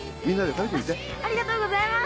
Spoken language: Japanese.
ありがとうございます！